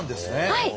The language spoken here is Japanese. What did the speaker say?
はい。